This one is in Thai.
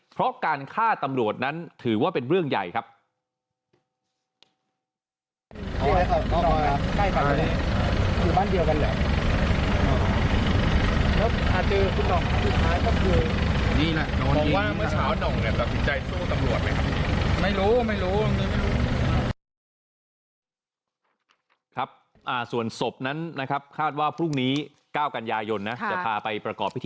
เพราะการฆ่าตำรวจนั้นถือว่าเป็นเรื่องใหญ่ครับ